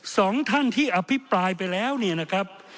สองท่านที่อภิปรายไปแล้วเนี่ยนะครับ